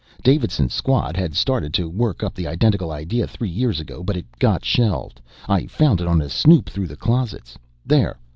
Davidson's squad had started to work up the identical idea three years ago, but it got shelved. I found it on a snoop through the closets. There!